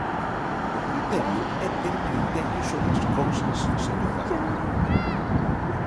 O criterio é ter criterio sobre as cousas, señor Dacova.